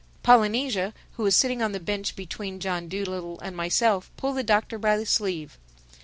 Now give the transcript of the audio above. Polynesia who was sitting on the bench between John Dolittle and myself pulled the Doctor by the sleeve.